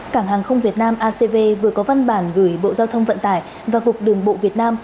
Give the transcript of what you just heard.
cảng hàng không việt nam acv vừa có văn bản gửi bộ giao thông vận tải và cục đường bộ việt nam